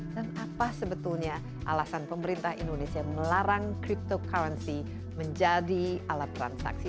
dan apa sebetulnya alasan pemerintah indonesia melarang cryptocurrency menjadi alat transaksi